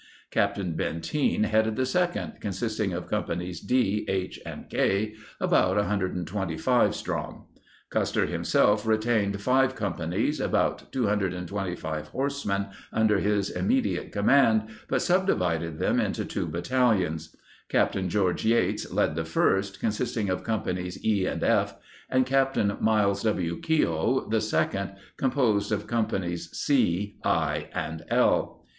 Captain Benteen headed the second, consisting of Companies D, H, and K, about 125 strong. Custer himself retained five companies, about 225 horsemen, under his immedi ate command but subdivided them into two battal ions. Capt. George Yates led the first, consisting of Companies E and F, and Capt. Myles W. Keogh the second, composed of Companies C, I, and L.